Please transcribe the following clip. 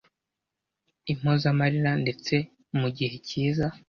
impozamarira ndetse mu gihe cyiza